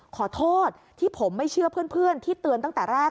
ขอโทษที่ผมไม่เชื่อเพื่อนที่เตือนตั้งแต่แรก